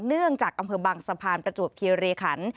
เนื่องจากอำเภอบางสะพานประจวบเครียร์คัน